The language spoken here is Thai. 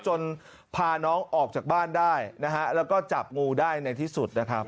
จนพาน้องออกจากบ้านได้นะฮะแล้วก็จับงูได้ในที่สุดนะครับ